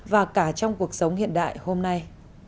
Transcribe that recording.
và cả trong cuộc sống hiện đại hôm nay